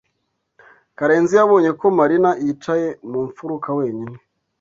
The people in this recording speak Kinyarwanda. Karenzi yabonye ko Marina yicaye mu mfuruka wenyine.